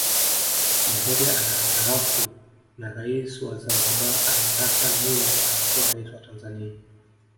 Nyerere anastaafu na Rais wa Zanzibar Ali Hassan Mwinyi anakuwa Rais wa Tanzania